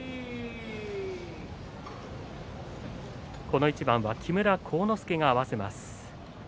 この一番は、木村晃之助が合わせます。